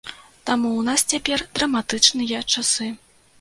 Таму ў нас цяпер драматычныя часы.